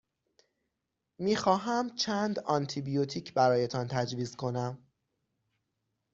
می خواهمم چند آنتی بیوتیک برایتان تجویز کنم.